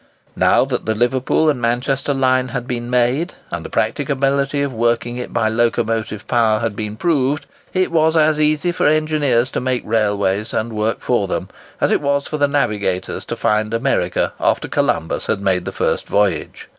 Now that the Liverpool and Manchester line had been made, and the practicability of working it by locomotive power had been proved, it was as easy for engineers to make railways and to work them, as it was for navigators to find America after Columbus had made the first voyage.